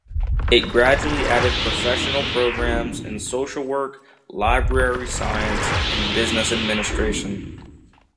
It gradually added professional programs in social work, library science, and business administration.